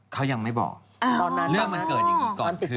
เขายังไม่บอกตอนนั้นเรื่องมันเกิดอย่างนี้ก่อนคือ